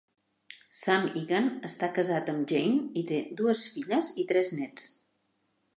Sam Egan està casat amb Jane i té dues filles i tres nets.